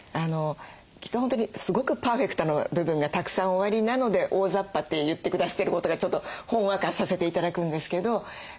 きっと本当にすごくパーフェクトな部分がたくさんおありなので大ざっぱって言って下さってることがちょっとほんわかさせて頂くんですけど。